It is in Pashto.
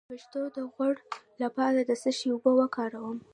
د ویښتو د غوړ لپاره د څه شي اوبه وکاروم؟